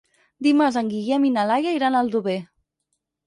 Dimarts en Guillem i na Laia iran a Aldover.